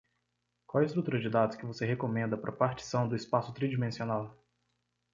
Qual a estrutura de dados que você recomenda para partição do espaço tridimensional?